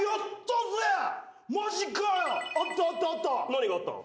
何があったの？